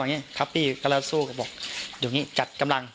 วันนี้ครับพี่ก็เลิศสู้กับบอกอยู่อย่างงี้จัดกำลัง